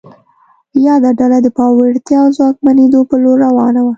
یاده ډله د پیاوړتیا او ځواکمنېدو په لور روانه وه.